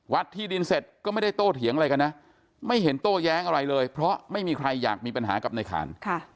ที่ดินเสร็จก็ไม่ได้โตเถียงอะไรกันนะไม่เห็นโต้แย้งอะไรเลยเพราะไม่มีใครอยากมีปัญหากับในขาน